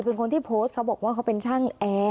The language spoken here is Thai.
เป็นคนที่โพสต์เขาบอกว่าเขาเป็นช่างแอร์